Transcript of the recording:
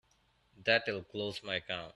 That'll close my account.